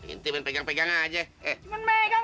ini punya si namdean